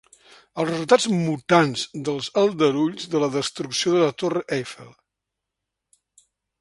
Els resultats mutants dels aldarulls de la destrucció de la Torre Eiffel.